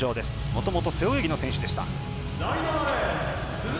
もともと背泳ぎの選手でした。